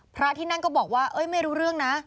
พระที่นั่นก็บอกว่าไม่รู้เรื่องนะ